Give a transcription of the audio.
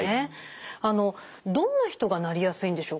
あのどんな人がなりやすいんでしょうか？